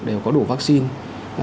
đều có đủ vaccine